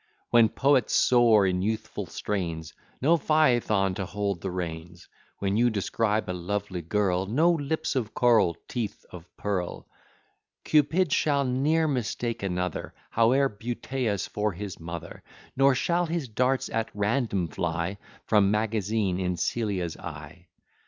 When poets soar in youthful strains, No Phaethon to hold the reins. When you describe a lovely girl, No lips of coral, teeth of pearl. Cupid shall ne'er mistake another, However beauteous, for his mother; Nor shall his darts at random fly From magazine in Celia's eye.